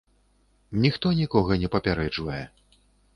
Ніхто нікога не папярэджвае.